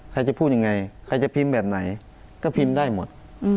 ใครจะพูดยังไงใครจะพิมพ์แบบไหนก็พิมพ์ได้หมด